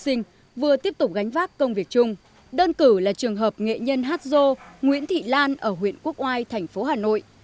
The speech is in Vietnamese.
thí sinh vừa tiếp tục gánh vác công việc chung đơn cử là trường hợp nghệ nhân hát dô nguyễn thị lan ở huyện quốc oai thành phố hà nội